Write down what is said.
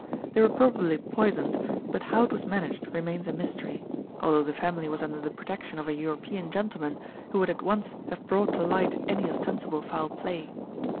They were probably poisoned, but how it was managed remains a mystery, although the family was under the protection of a European gentleman, who would at once have brought to light any ostensible foul play."